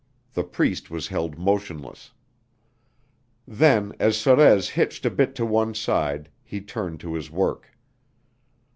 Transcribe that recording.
The Priest was held motionless. Then as Sorez hitched a bit to one side, he turned to his work.